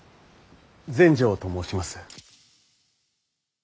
全成と申します。